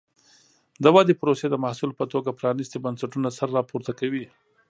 د ودې پروسې د محصول په توګه پرانیستي بنسټونه سر راپورته کوي.